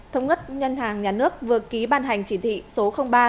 thống nhất nhân hàng nhán nước vừa ký ban hành chỉ thị số ba